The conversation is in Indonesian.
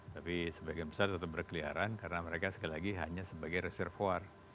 tapi sebagian besar tetap berkeliaran karena mereka sekali lagi hanya sebagai reservoir